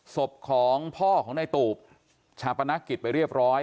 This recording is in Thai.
ศพของพ่อของเรียกโตปชาปนักกิจไปเรียบร้อย